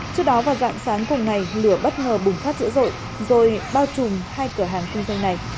trước đó vào dạng sáng cùng ngày lửa bất ngờ bùng phát dữ dội rồi bao trùm hai cửa hàng kinh doanh này